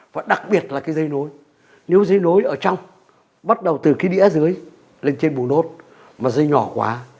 và đặc biệt là cái dây nối nếu dây nối ở trong bắt đầu từ cái đĩa dưới lên trên bù nốt mà dây nhỏ quá